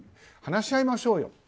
話し合いましょうよと。